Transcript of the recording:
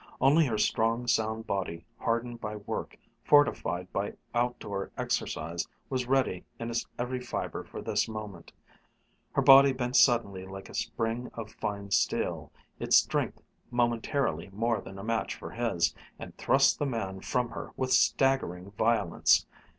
Only her strong, sound body, hardened by work, fortified by outdoor exercise, was ready in its every fiber for this moment. Her body bent suddenly like a spring of fine steel, its strength momentarily more than a match for his, and thrust the man from her with staggering violence.